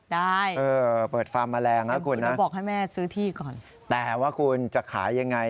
ได้เปิดฟาร์มแมลงนะคุณนะแต่ว่าคุณจะขายยังไง